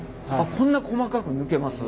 こんな細かく抜けます？